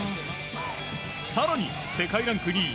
更に、世界ランク２位